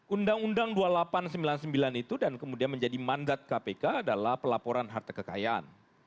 undang undang dua ribu delapan ratus sembilan puluh sembilan itu dan kemudian menjadi mandat kpk adalah pelaporan harta kekayaan